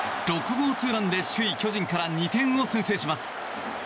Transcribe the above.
６号ツーランで首位、巨人から２点を先制します。